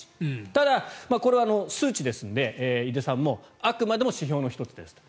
ただ、これは数値ですので井出さんもあくまでも指標の１つですと。